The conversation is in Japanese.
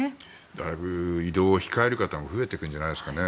だいぶ移動を控える方が増えてくるんじゃないですかね。